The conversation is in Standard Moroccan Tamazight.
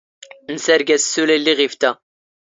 ⵏⵙⴰⵔⴳ ⴰⵙ ⵙⵓⵍ ⴰⵢⵍⵍⵉⵖ ⵉⴼⵜⴰ.